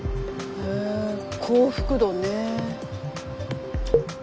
へえ幸福度ね。